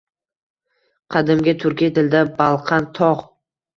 Qadimgi turkiy tilda balqan – tog‘.